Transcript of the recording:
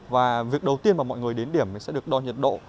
và việc đầu tiên mà mọi người đến điểm sẽ được đo nhiệt độ